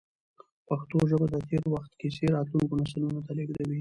پښتو ژبه د تېر وخت کیسې راتلونکو نسلونو ته لېږدوي.